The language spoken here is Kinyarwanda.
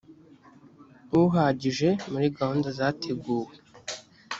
uhagije muri gahunda zateguwe